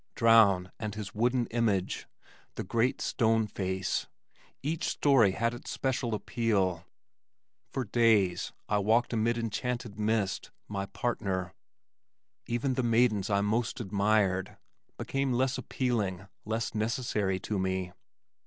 Drowne and His Wooden Image, the Great Stone Face each story had its special appeal. For days I walked amid enchanted mist, my partner (even the maidens I most admired), became less appealing, less necessary to me.